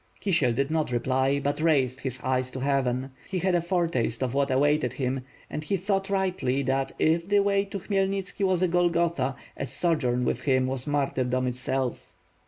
Kisiel did not reply, but raised his eyes to heaven. He had a foretaste of what awaited him, and he thought rightly that if the way to Khmyelnitski was a Golgotha, a sojourn with him was martyrdom itself.